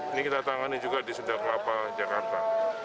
ini kita tangani juga di sunda kelapa jakarta